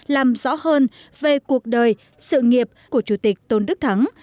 làm rõ hơn về cuộc đời sự nghiệp của chủ tịch tôn đức thắng